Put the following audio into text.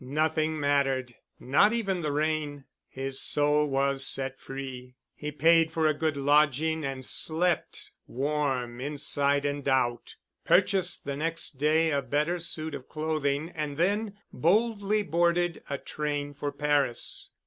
Nothing mattered—not even the rain. His soul was set free. He paid for a good lodging and slept, warm inside and out; purchased the next day a better suit of clothing and then boldly boarded a train for Paris.